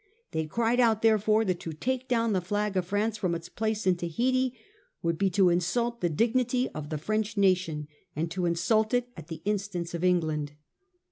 They cried out therefore that to take down the flag of France from its place in Tahiti would be to insult the dignity of the French nation, and to insult it at the instance of England.